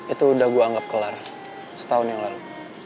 itu udah gue anggap kelar setahun yang lalu